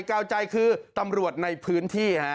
กาวใจคือตำรวจในพื้นที่ฮะ